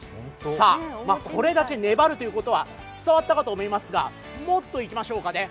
これだけ粘るということは、伝わったかと思いますがもっといきましょうかね。